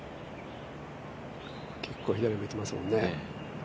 結構左向いてますもんね。